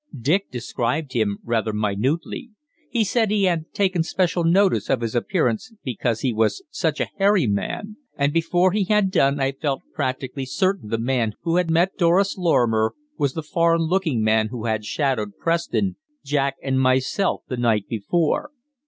Dick described him rather minutely he said he had taken special notice of his appearance "because he was such a hairy man" and before he had done I felt practically certain the man who had met Doris Lorrimer was the foreign looking man who had shadowed Preston, Jack, and myself the night before.